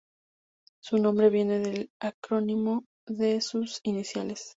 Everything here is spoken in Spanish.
Su nombre viene del acrónimo de sus iniciales..